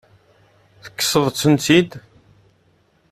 Tekkseḍ-tent-id?